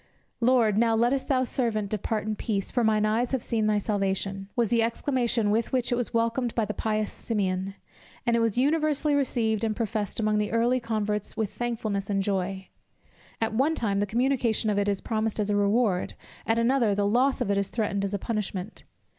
"Lord, now lettest thou thy servant depart in peace, for mine eyes have seen thy salvation," was the exclamation with which it was welcomed by the pious Simeon; and it was universally received and professed among the early converts with thankfulness and joy. At one time, the communication of it is promised as a reward; at another, the loss of it is threatened as a punishment.